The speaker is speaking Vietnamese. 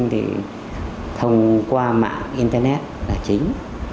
thì thông qua mạng internet là chính